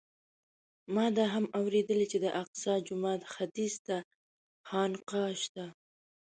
ما دا هم اورېدلي چې د الاقصی جومات ختیځ ته خانقاه شته.